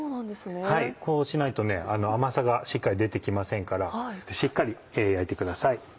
こうしないと甘さがしっかり出て来ませんからしっかり焼いてください。